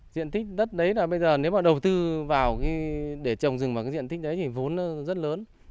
diện tích đất đấy là bây giờ nếu mà đầu tư vào để trồng rừng vào cái diện tích đấy thì vốn rất lớn